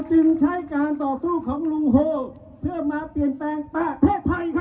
พี่น้องนึกถึงลุงโฮหรือโฮจิมินที่เขาชนะฝรั่งเศสและชนะอเมริกา